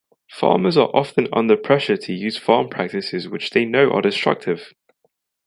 Farmers are often under pressure to use farm practices which they know are destructive.